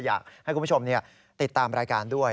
อยากให้คุณผู้ชมติดตามรายการด้วย